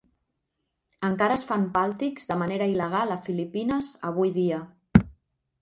Encara es fan "Paltiks" de manera il·legal a Filipines avui dia.